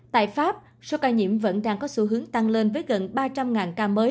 tại pháp số ca nhiễm vẫn đang có xu hướng tăng lên với gần ba trăm linh